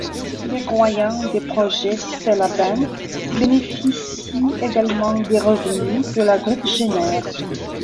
Les « croyants » des projets SellaBand bénéficient également des revenus que le groupe génère.